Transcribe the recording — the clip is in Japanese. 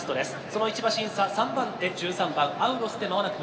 その１馬身差３番手１３番アウロスで間もなく向こう正面。